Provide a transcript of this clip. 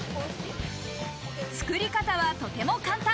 作り方はとても簡単。